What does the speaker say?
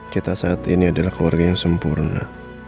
kita saat ini adalah keluarga yang sempurna